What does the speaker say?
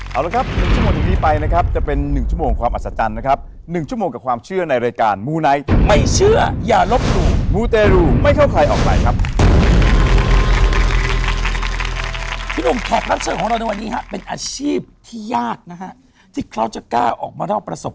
เอาล่ะครับ๑ชั่วโมงจนที่นี้ไปนะครับจะเป็น๑ชั่วโมงของความอัศจรรย์นะครับ